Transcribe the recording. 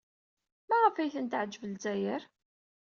Maɣef ay tent-teɛjeb Lezzayer?